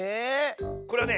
これはね